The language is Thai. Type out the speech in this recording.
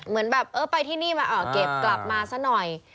เหมือนแบบเออไปที่นี่มาเก็บกลับมาซะหน่อย